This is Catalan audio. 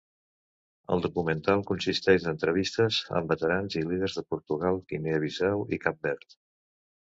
El documental consisteix d'entrevistes amb veterans i líders de Portugal, Guinea Bissau i Cap Verd.